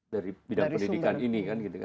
dari bidang pendidikan ini